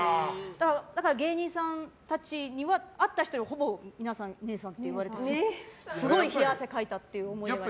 だから芸人さんたちには会った人にはほぼ皆さん、姉さんって言われてすごい冷や汗かいたっていう思い出があります。